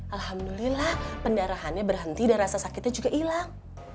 alhamdulillah pendarahannya berhenti dan rasa sakitnya juga hilang